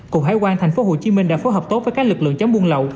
cục hải quan thành phố hồ chí minh đã phối hợp tốt với các lực lượng chống buôn lậu